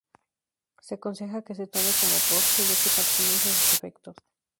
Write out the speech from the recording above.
Se aconseja que se tome como postre, ya que maximiza sus efectos.